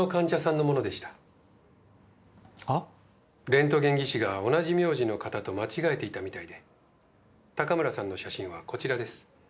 レントゲン技師が同じ苗字の方と間違えていたみたいで高村さんの写真はこちらです。